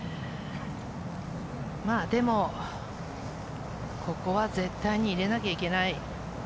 でも、ここは絶対に入れなければいけない。